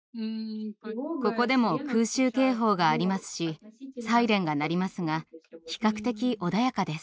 ここでも空襲警報がありますしサイレンが鳴りますが比較的穏やかです。